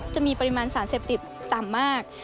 จะมีปริมาณสารเสพติดต่ำมาก